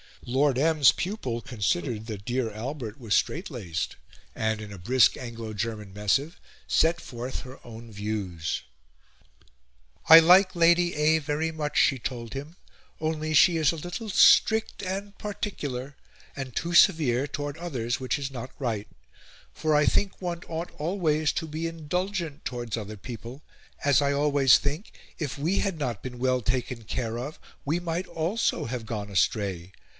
Lord M's pupil considered that dear Albert was strait laced, and, in a brisk Anglo German missive, set forth her own views. "I like Lady A. very much," she told him, "only she is a little strict awl particular, and too severe towards others, which is not right; for I think one ought always to be indulgent towards other people, as I always think, if we had not been well taken care of, we might also have gone astray.